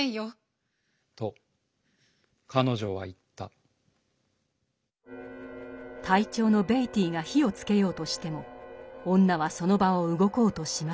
隊長のベイティーが火をつけようとしても女はその場を動こうとしません。